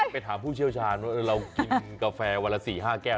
ไปถามผู้เชี่ยวชาญว่าเรากินกาแฟวันละ๔๕แก้ว